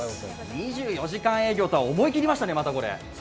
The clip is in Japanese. ２４時間営業とは思い切りましたね。